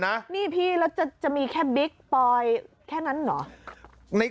นี่พี่แล้วจะมีแค่บิ๊กปอยแค่นั้นเหรอ